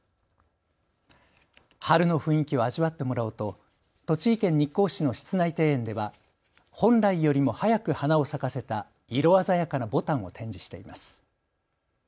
春の雰囲気を味わってもらおうと栃木県日光市の室内庭園では本来よりも早く花を咲かせた色鮮やかなぼたんを展示しています。